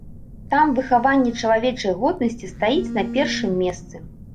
Там выхаванне чалавечай годнасці стаіць на першым месцы.